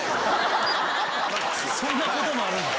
そんなこともあるんだ。